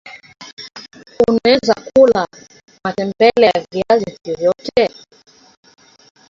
unaweza kula matembele na viazi vyovyote